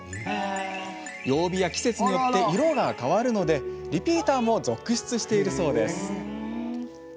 曜日や季節によって色が変わるのでリピーターも続出しているそうです。